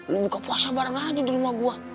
lu buka puasa bareng aja di rumah gua